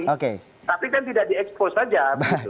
tapi kan tidak diekspos saja begitu